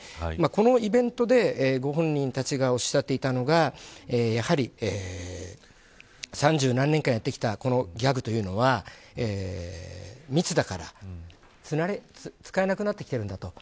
このイベントでご本人たちがおっしゃっていたのがやはり３０何年間やってきたこのギャグというのは密だから使えなくなってきてるんだと。